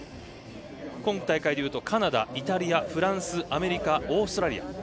今大会でいうとカナダ、イタリア、フランスアメリカ、オーストラリア。